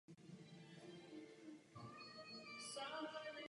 Anežka byla dcerou Bonifáce z Montferratu.